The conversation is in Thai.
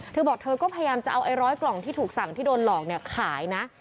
เธอบอกเธอก็พยายามจะเอาไอ้ร้อยกล่องที่ถูกสั่งที่โดนหลอกเนี่ยขายนะ